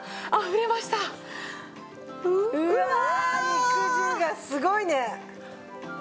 肉汁がすごいね！